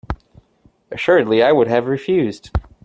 Assuredly I would have refused.